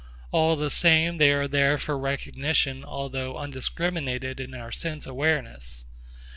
All the same they are there for recognition although undiscriminated in our sense awareness.